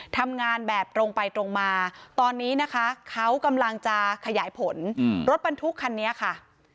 ทำงานแบบตรงไปตรงมาตอนนี้นะคะเขากำลังจะขยายผลรถบรรทุกคันนี้ค่ะ